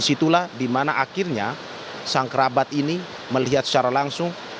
itulah di mana akhirnya sang kerabat ini melihat secara langsung